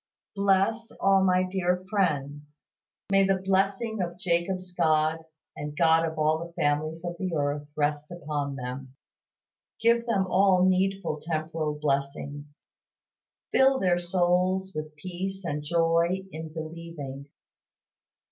Bless all my dear friends; may the blessing of Jacob's God, the God of all the families of the earth, rest upon them. Give them all needful temporal blessings. Fill their souls with peace and joy in believing.